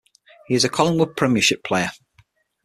He is a Collingwood Premiership player.